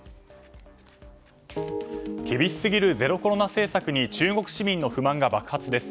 厳しすぎるゼロコロナ政策に中国市民の不満が爆発です。